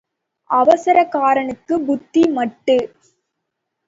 அவசரக்காரனுக்குப் புத்தி மட்டு.